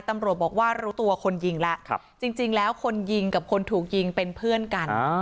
ตำรวจบอกว่ารู้ตัวคนยิงแล้วจริงแล้วคนยิงกับคนถูกยิงเป็นเพื่อนกัน